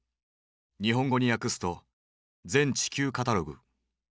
日本語に訳すと全地球カタログ。